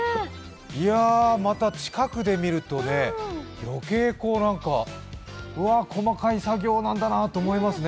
いや、また近くで見るとね、よけいに細かい作業なんだなって思いますね。